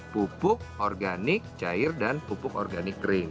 pupuk organik cair dan pupuk organik kering